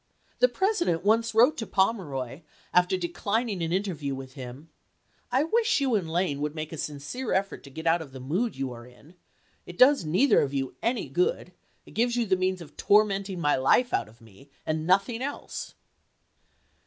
The President once wrote to Pomeroy, after declining an inter view with him :" I wish you and Lane would make a sincere effort to get out of the mood you are Lincoln to in. It docs neither of you any good ; it gives you ufy^ii' the means of tormenting my life out of me, and MS." nothing else."